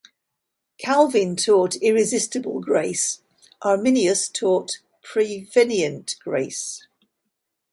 Calvin taught Irresistible Grace; Arminius taught Prevenient Grace.